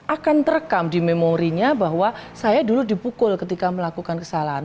akan terekam di memorinya bahwa saya dulu dipukul ketika melakukan kesalahan